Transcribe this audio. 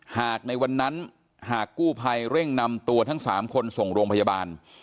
หากในวันนั้นหากกู้ภัยเร่งนำตัวทั้ง๓คนส่งโรงพยาบาล